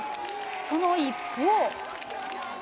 その一方。